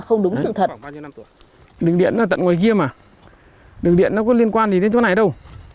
không đúng sự thật đường điện tận ngoài ghiêm mà đường điện nó có liên quan đến chỗ này đâu